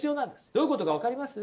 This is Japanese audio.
どういうことか分かります？